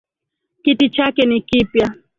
Kiti chake ni kipya.